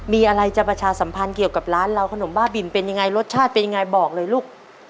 มีอะไรจะประชาสัมพันธ์เกี่ยวกับร้านเราขนมบ้าบินเป็นยังไงรสชาติเป็นยังไงบอกเลยลูก